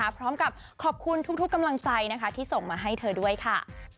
พร้อมกับขอบคุณทุกกำลังใจที่ส่งมาให้เธอด้วยค่ะ